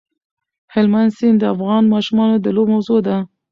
هلمند سیند د افغان ماشومانو د لوبو موضوع ده.